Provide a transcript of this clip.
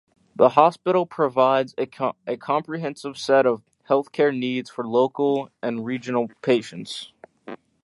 The hospitals provide a comprehensive set of healthcare needs for local and regional patients.